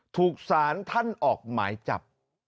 ถูกซานท่านออกไม้จับ